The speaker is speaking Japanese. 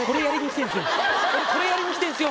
俺これやりに来てんすよ。